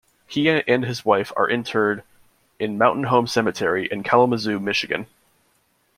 He and his wife are interred in Mountain Home Cemetery in Kalamazoo, Michigan.